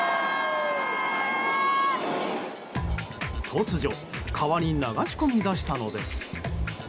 突如川に流し込みだしたのです。